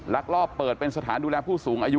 ลักลอบเปิดเป็นสถานดูแลผู้สูงอายุ